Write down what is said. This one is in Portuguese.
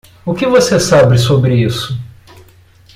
O que você sabe sobre isso?